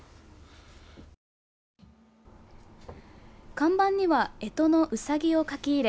看板にはえとのうさぎを描き入れ